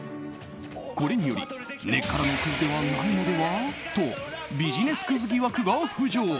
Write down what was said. これにより根っからのクズではないのではとビジネスクズ疑惑が浮上。